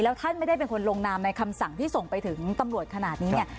แล้วท่านไม่ได้เป็นคนลงนามในคำสั่งที่ส่งไปถึงตำรวจขนาดนี้เนี่ย